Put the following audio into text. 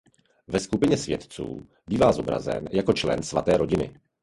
Ve skupině světců bývá zobrazen jako člen Svaté rodiny.